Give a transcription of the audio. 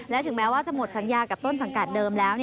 และถึงแม้ว่าจะหมดสัญญากับต้นสังกัดเดิมแล้ว